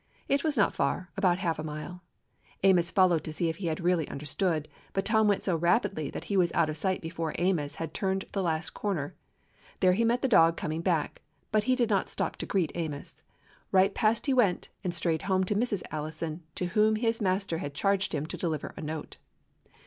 It was not far, about half a mile. Amos followed to see if he had really understood, but Tom went so rapidly that he was out of sight long before Amos had turned the last corner. There he met the dog coming back, but he did not stop to greet Amos. Right past he went, and straight home to Mrs. Allison, to whom his master had charged him to deliver a note.